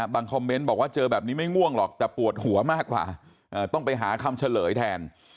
คอมเมนต์บอกว่าเจอแบบนี้ไม่ง่วงหรอกแต่ปวดหัวมากกว่าต้องไปหาคำเฉลยแทน